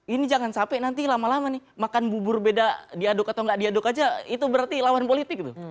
ini jangan sampai nanti lama lama nih makan bubur beda diaduk atau nggak diaduk aja itu berarti lawan politik tuh